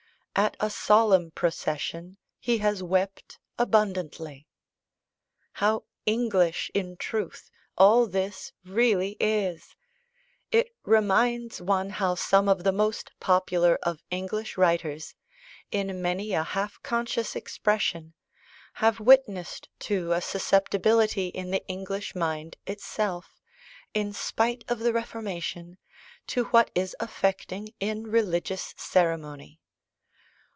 At a solemn procession he has "wept abundantly." How English, in truth, all this really is! It reminds one how some of the most popular of English writers, in many a half conscious expression, have witnessed to a susceptibility in the English mind itself, in spite of the Reformation, to what is affecting in religious ceremony.